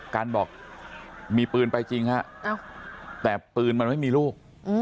กันบอกมีปืนไปจริงฮะแต่ปืนมันไม่มีลูก